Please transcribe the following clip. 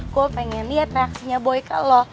gue pengen liat reaksinya boy ke lo